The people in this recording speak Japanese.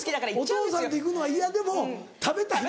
お父さんと行くのは嫌でも食べたいんだ。